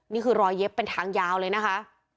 นี่คือรอยเย็บเป็นทางยาวเลยนะคะ